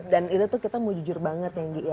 dan itu tuh kita mau jujur banget ya giy